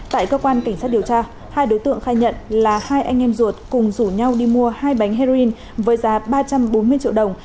tại cơ quan cảnh sát điều tra hai đối tượng khai nhận là hai anh em ruột cùng rủ nhau đi mua hai bánh heroin với giá ba trăm bốn mươi triệu đồng